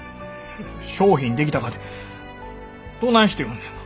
商品出来たかてどないして売んねんな。